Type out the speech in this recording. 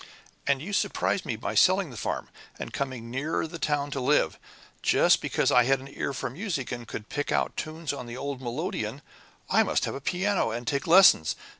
And you surprised me by selling the farm, and coming nearer the town to live. Just because I had an ear for music, and could pick out tunes on the old melodeon, I must have a piano and take lessons.